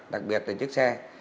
đặc biệt là chiếc xe